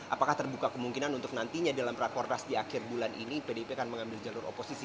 apakah terbuka kemungkinan untuk nantinya dalam rakornas di akhir bulan ini pdip akan mengambil jalur oposisi